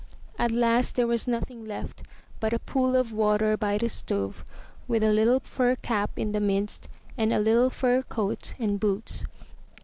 At last there was nothing left but a pool of water by the stove with a little fur cap in the midst and a little fur coat and boots.